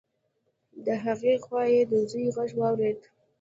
د هغې خوا يې د زوی غږ واورېد.